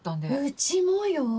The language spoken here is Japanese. うちもよ！